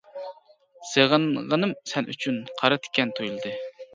سېغىنغىنىم سەن ئۈچۈن، قارا تىكەن تۇيۇلدى.